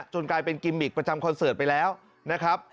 กลายเป็นกิมมิกประจำคอนเสิร์ตไปแล้วนะครับ